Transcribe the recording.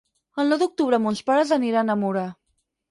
El nou d'octubre mons pares aniran a Mura.